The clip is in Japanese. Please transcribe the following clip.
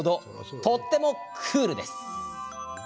とってもクールです。